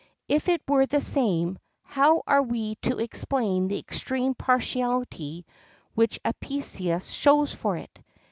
If it were the same, how are we to explain the extreme partiality which Apicius shows for it?